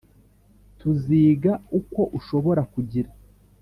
tuziga uko ushobora kugira